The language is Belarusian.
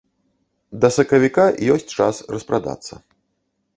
Да сакавіка ёсць час распрадацца.